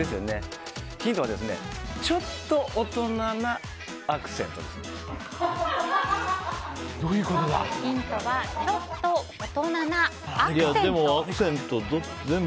ヒントはちょっと大人なアクセントですね。